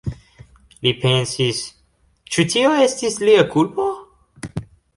Li pensis: „Ĉu tio estis lia kulpo?“